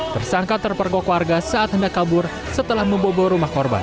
tersangka terpergok warga saat hendak kabur setelah membobol rumah korban